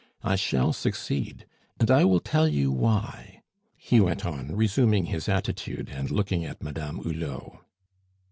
I shall succeed; and I will tell you why," he went on, resuming his attitude, and looking at Madame Hulot.